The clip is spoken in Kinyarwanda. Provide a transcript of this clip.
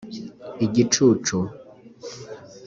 igicucu